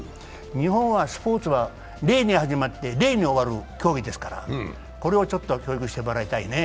日本はスポーツは礼に始まって礼に終わる競技ですから、これをちょっと教育してもらいたいね。